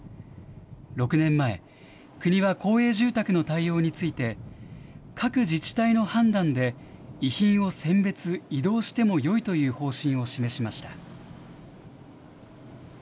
６年前、国は公営住宅の対応について、各自治体の判断で、遺品を選別、移動してもよいという方針を示しました。